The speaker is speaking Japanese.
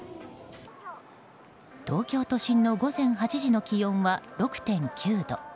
東京都心の午前８時の気温は６．９度。